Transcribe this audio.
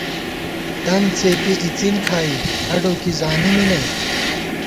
دنت څېپی اِڅِن کھائی ہڈّو کی زانی می نئ